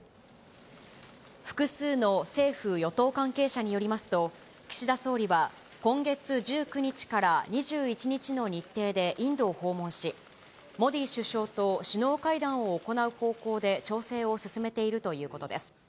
複数の政府・与党関係者によりますと、岸田総理は今月１９日から２１日の日程でインドを訪問し、モディ首相と首脳会談を行う方向で調整を進めているということです。